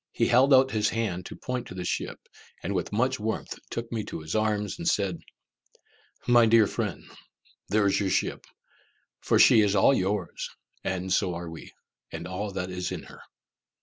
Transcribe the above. He held out his hand to point to the ship, and with much warmth took me to his arms, and said, "My dear friend, there is your ship! For she is all yours, and so are we, and all that is in her."